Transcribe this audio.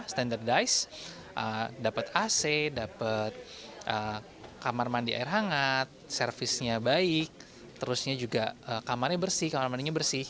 standardize dapat ac dapat kamar mandi air hangat servisnya baik terusnya juga kamarnya bersih kamar mandinya bersih